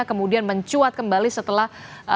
kemudian mencuat kembali setelah